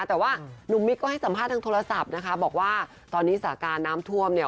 แต่ว่าหนุ่มมิ๊กก็ให้สัมภาษณ์ทางโทรศัพท์นะคะบอกว่าตอนนี้สาการน้ำท่วมเนี่ย